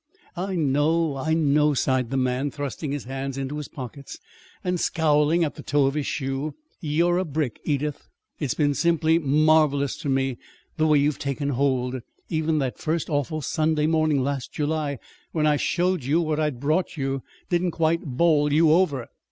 "I know, I know," sighed the man, thrusting his hands into his pockets, and scowling at the toe of his shoe. "You 're a brick, Edith! It's been simply marvelous to me the way you've taken hold. Even that first awful Sunday morning last July, when I showed you what I'd brought you, didn't quite bowl you over."